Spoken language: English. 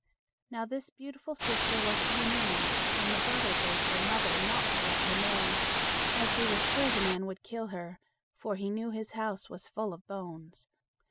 Now, this beautiful sister was to be married, and the brother begged their mother not to let her marry, as he was sure the man would kill her, for he knew his house was full of bones.